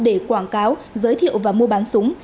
để quảng cáo giới thiệu và mua bán súng